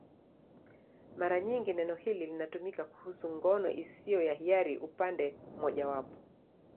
Mara nyingi neno hili linatumika kuhusu ngono isiyo ya hiari upande mmojawapo.